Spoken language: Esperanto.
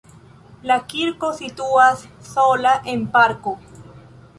La kirko situas sola en parko.